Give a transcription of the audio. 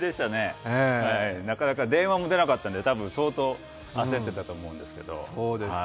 なかなか電話も出なかったんで、相当焦ってたと思うんですけど。